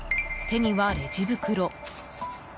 手にはレジ袋。